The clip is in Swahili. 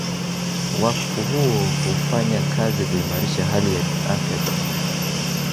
Wakfu huo hufanya kazi kuimarisha hali ya afya duniani